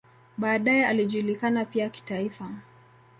Baadaye alijulikana pia kitaifa.